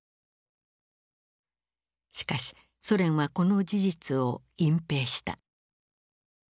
しかしソ連はこの事実を隠蔽した。